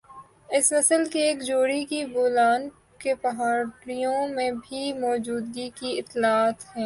اس نسل کی ایک جوڑی کی بولان کے پہاڑیوں میں بھی موجودگی کی اطلاعات ہے